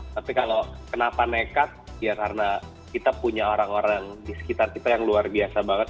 tapi kalau kenapa nekat ya karena kita punya orang orang di sekitar kita yang luar biasa banget